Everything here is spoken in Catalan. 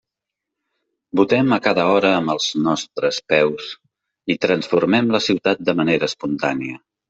Votem a cada hora amb els nostres peus i transformem la ciutat de manera espontània.